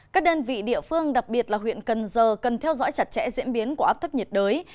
các đơn vị địa phương đặc biệt là huyện cần giờ cần theo dõi chặt chẽ diễn biến của áp thấp nhiệt đới